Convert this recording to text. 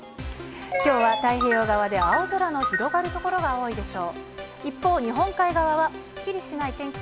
きょうは太平洋側で青空の広がる所が多いでしょう。